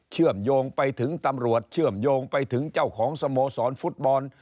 เชื่อมโยงไปถึงตำรวจเชื่อมโยงไปถึงเจ้าของสโมสรฟุตบอล